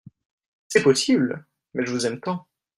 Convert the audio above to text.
C’est possible ! mais je vous aime tant !